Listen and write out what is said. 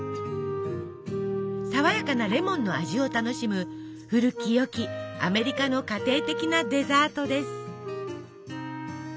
爽やかなレモンの味を楽しむ古きよきアメリカの家庭的なデザートです。